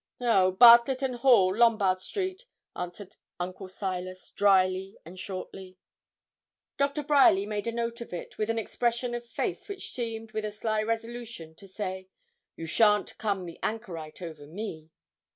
'Oh! Bartlet and Hall, Lombard Street,' answered Uncle Silas, dryly and shortly. Dr. Bryerly made a note of it, with an expression of face which seemed, with a sly resolution, to say, 'You shan't come the anchorite over me.'